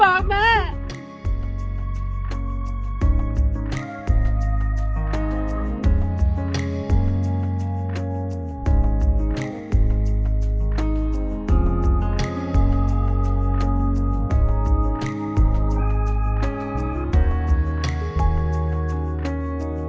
วันที่สุดท้ายเกิดขึ้นเกิดขึ้น